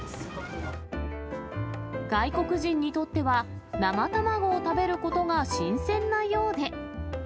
外国人にとっては、生卵を食べることが新鮮なようで。